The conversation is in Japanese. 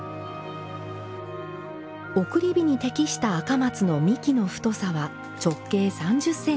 送り火に適した赤松の幹の太さは直径３０センチ。